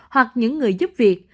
hoặc những người giúp việc